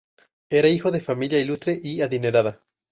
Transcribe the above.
Era hijo de familia ilustre y adinerada.